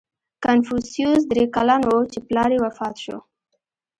• کنفوسیوس درې کلن و، چې پلار یې وفات شو.